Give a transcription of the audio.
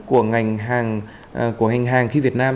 của ngành hàng khi việt nam